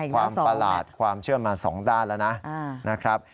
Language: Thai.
ความประหลาดความเชื่อมมา๒ด้านแล้วนะ